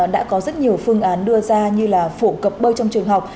đã có rất nhiều phương án đưa ra như là phổ cập bơi trong trường học